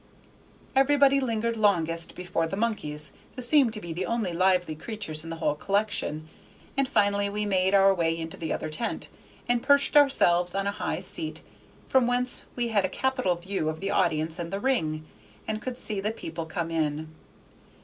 Everybody lingered longest before the monkeys, who seemed to be the only lively creatures in the whole collection; and finally we made our way into the other tent, and perched ourselves on a high seat, from whence we had a capital view of the audience and the ring, and could see the people come in.